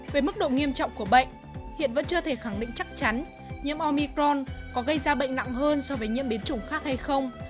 về mức độ nghiêm trọng của bệnh hiện vẫn chưa thể khẳng định chắc chắn nhiễm omicron có gây ra bệnh nặng hơn so với nhiễm biến chủng khác hay không